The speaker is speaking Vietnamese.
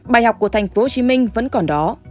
bài học của thành phố hồ chí minh vẫn còn đó